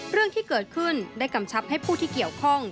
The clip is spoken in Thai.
เรื่องที่เกิดขึ้นได้กำชับให้ผู้ที่เกี่ยวข้อง